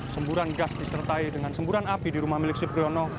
semburan gas disertai dengan semburan api di rumah milik supriyono